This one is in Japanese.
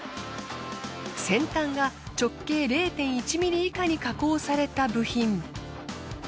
先端が直径０．１ｍｍ以下に加工された部品。